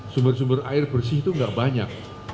sumber sumber air bersih itu nggak banyak